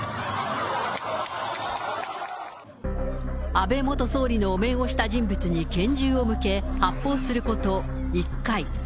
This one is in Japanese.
安倍元総理のお面をした人物に拳銃を向け、発砲すること１回。